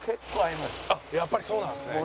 やっぱりそうなんですね。